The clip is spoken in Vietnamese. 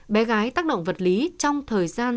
bé gái tác động vật lý trong thời gian